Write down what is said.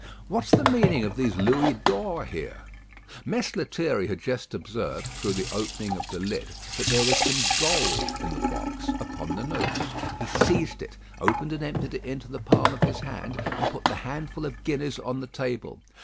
What's the meaning of these Louis d'ors here?" Mess Lethierry had just observed, through the opening of the lid, that there was some gold in the box upon the notes. He seized it, opened and emptied it into the palm of his hand, and put the handful of guineas on the table.